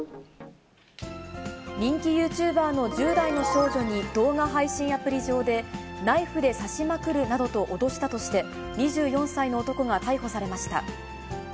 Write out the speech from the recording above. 人気ユーチューバーの１０代の少女に動画配信アプリ上で、ナイフで刺しまくるなどと脅したとして、２４歳の男が逮捕されました。